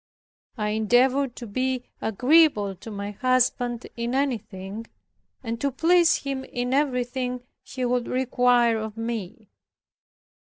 I endeavored to be agreeable to my husband in anything, and to please him in everything he could require of me.